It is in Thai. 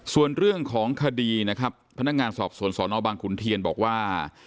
ส่วนเรื่องของคดีนะครับพนักงานสอบสวนสนบางขุนเทียนบอกว่า